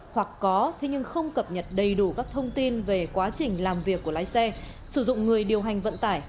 hoặc có thế nhưng không cập nhật đầy đủ các thông tin về quá trình làm việc của lái xe sử dụng người điều hành vận tải